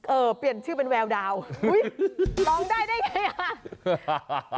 เออเปลี่ยนชื่อเป็นแววดาวอุ้ยร้องได้ได้ไงอ่ะ